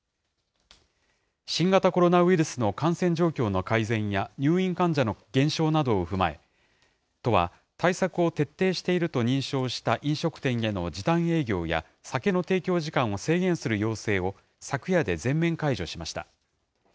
新型コロナウイルスの感染状況の改善や入院患者の減少などを踏まえ、都は、対策を徹底していると認証した飲食店への時短営業や酒の提供時間を制限する要請を、昨夜で全面解除しました。